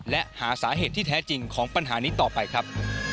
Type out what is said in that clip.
และหาสาเหตุที่แท้จริงของปัญหานี้ต่อไปครับ